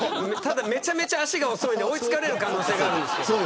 めちゃめちゃ足が遅いので追い付かれる可能性があります。